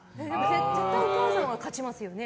絶対お母さんが勝ちますよね。